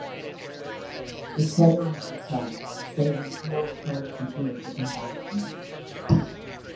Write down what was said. The Semai themselves say There is no authority here but embarrassment.